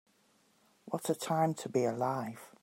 What a time to be alive.